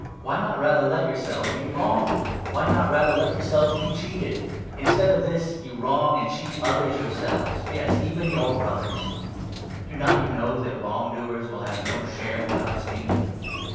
Why not rather let yourselves be wronged ? Why not rather let yourselves be cheated ? Instead of this, you wrong and 8 cheat others yourselves — yes, even your Brothers ! Do not 9 you know that wrong doers will have no share in God's Kingdom